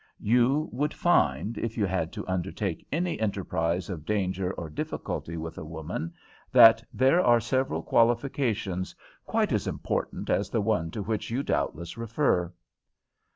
You would find, if you had to undertake any enterprise of danger or difficulty with a woman, that there are several qualifications quite as important as the one to which you doubtless refer."